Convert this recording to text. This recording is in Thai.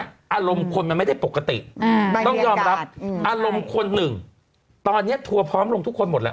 อารมณ์คนมันไม่ได้ปกติต้องยอมรับอารมณ์คนหนึ่งตอนนี้ทัวร์พร้อมลงทุกคนหมดแล้ว